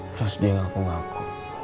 terus dia ngaku ngaku